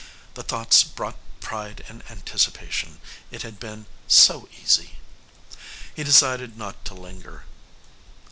The thoughts brought pride and anticipation. It had been so easy.... He decided not to linger.